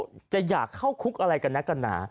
เค้าจะอยากเข้าคุกอะไรกันนะกันน้ะ